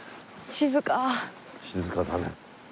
静かだね。